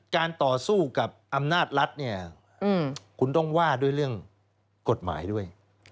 การต่อสู้กับอำนาจรัฐเนี่ยคุณต้องว่าด้วยเรื่องกฎหมายด้วย